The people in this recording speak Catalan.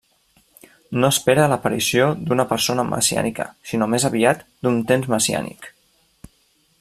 No espera l'aparició d'una persona messiànica sinó més aviat, d'un temps messiànic.